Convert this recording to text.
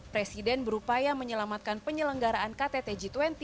presiden berupaya menyelamatkan penyelenggaraan ktt g dua puluh